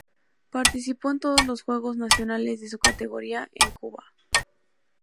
Participó en todos los juegos nacionales de su categoría en Cuba.